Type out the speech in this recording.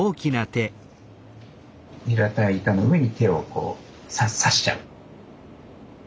平たい板の上に手をこうさしちゃう。